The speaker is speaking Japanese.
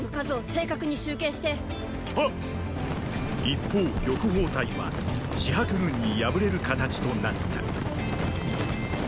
一方玉鳳隊は紫伯軍に敗れる形となった。